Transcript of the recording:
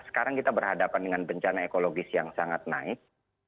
sekarang kita berhadapan dengan bencana ekologis yang sangat naik